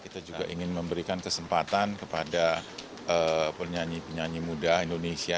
kita juga ingin memberikan kesempatan kepada penyanyi penyanyi muda indonesia